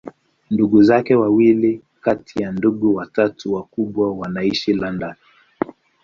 Ndugu zake wawili kati ya ndugu watatu wakubwa wanaishi London.